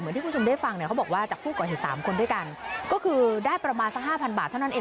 ที่คุณผู้ชมได้ฟังเนี่ยเขาบอกว่าจากผู้ก่อเหตุสามคนด้วยกันก็คือได้ประมาณสักห้าพันบาทเท่านั้นเอง